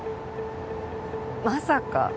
まさか。